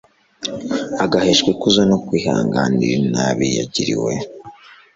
agaheshwa ikuzo no kwihanganira inabi yagiriwe